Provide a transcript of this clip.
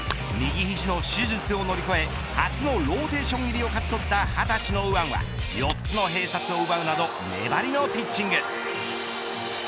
右ひじの手術を乗り越え初のローテーション入りを勝ち取った２０歳の右腕は４つの併殺を奪うなど粘りのピッチング。